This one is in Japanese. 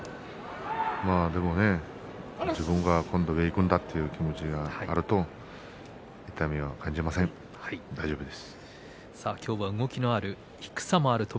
でもね自分が今度、上にいくんだという気持ちがあると痛みは感じません、大丈夫です。